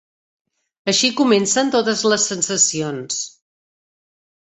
Així comencen totes les sensacions.